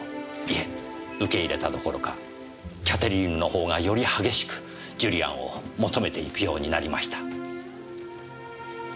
いえ受け入れたどころかキャテリーヌの方がより激しくジュリアンを求めていくようになりました。